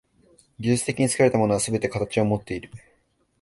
技術的に作られたものはすべて形をもっている。